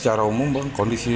secara umum kondisi unitah stabil